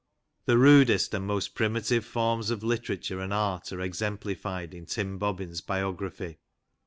The rudest and most primitive forms of literature and art are exemplified in Tim Bobbin's biography.